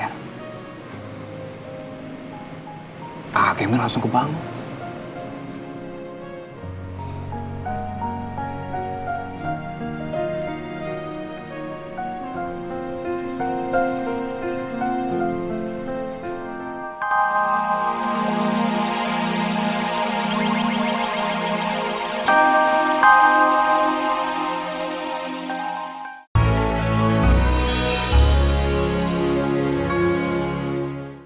alkemi langsung kebangun